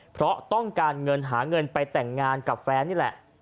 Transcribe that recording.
เพราะต้องการเงินหาเงินไปแต่งงานกับแฟนนี่แหละ